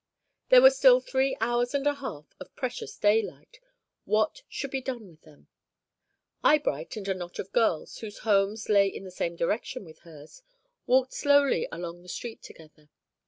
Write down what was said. There were still three hours and a half of precious daylight. What should be done with them? Eyebright and a knot of girls, whose homes lay in the same direction with hers, walked slowly down the street together.